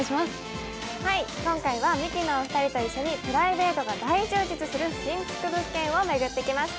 今回はミキのお二人と一緒にプライベートが大充実する新築物件を巡ってきました。